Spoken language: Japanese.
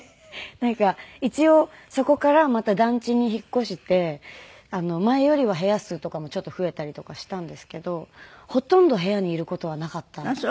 なんか一応そこからまた団地に引っ越して前よりは部屋数とかもちょっと増えたりとかしたんですけどほとんど部屋にいる事はなかったですね。